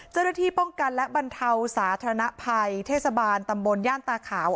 เจ้าหน้าที่ป้องกันและบรรเทาสาธารณภัยเทศบาลตำบลย่านตาขาว